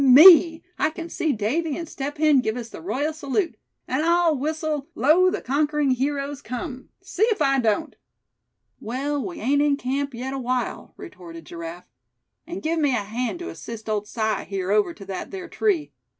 me, I can see Davy and Step Hen give us the royal salute. And I'll whistle 'Lo, the Conquering Heroes Come,' see if I don't." "Well, we ain't in camp yet awhile," retorted Giraffe; "and give me a hand to assist old Si here over to that there tree.